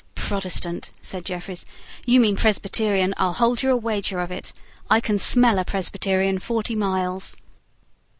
"Protestant!" said Jeffreys; "you mean Presbyterian. I'll hold you a wager of it. I can smell a Presbyterian forty miles."